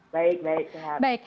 baik baik baik